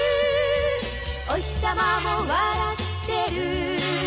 「おひさまも笑ってる」